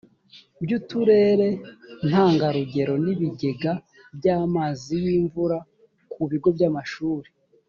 by uturere ntangarugero n ibigega by amazi y imvura ku bigo by amashuri